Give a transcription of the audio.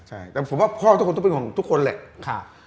ใช่แต่ผมว่าพ่อทุกคนต้องเป็นห่วงทุกคนแหละ